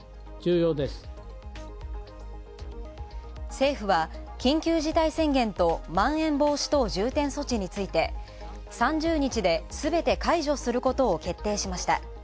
政府は緊急事態宣言とまん延防止等重点措置について３０日ですべて解除することを決定しました。